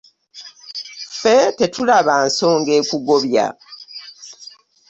Ffe tetulaba nsonga ekugobya.